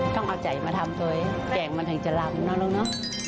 ต้องเอาใจมาทำเลยแกล้งมันถึงจะล้ำเนอะ